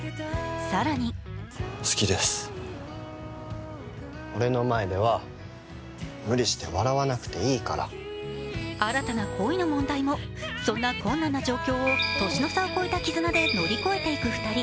更に新たな恋の問題もそんな困難な状況を年の差を超えた絆で乗り越えていく２人。